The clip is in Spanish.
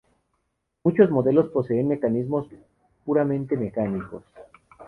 Muchos modelos poseen mecanismos puramente mecánicos.